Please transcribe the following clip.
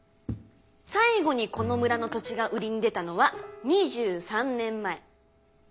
最後にこの村の土地が売りに出たのは２３年前。